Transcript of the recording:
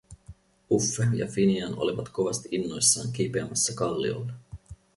Uffe ja Finian olivat kovasti innoissaan kiipeämässä kalliolle.